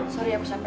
sorry aku sampe